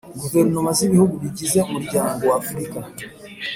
Guverinoma z Ibihugu bigize Umuryango w afurika